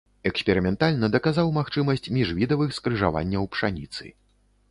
Эксперыментальна даказаў магчымасць міжвідавых скрыжаванняў пшаніцы.